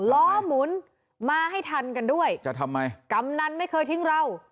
ล้อหมุนมาให้ทันกันด้วยจะทำไมกำนันไม่เคยทิ้งเรา